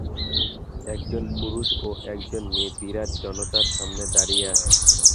একজন পুরুষ ও একজন মেয়ে বিরাট জনতার সামনে দাঁড়িয়ে আছে।